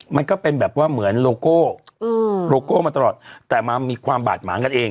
มันก็เป็นแบบว่าเหมือนโลโก้โลโก้มาตลอดแต่มามีความบาดหมางกันเอง